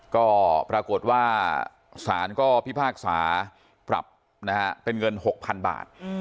ก็ปรากฏว่าศาลก็พิพากษาปรับนะฮะเป็นเงิน๖๐๐๐บาท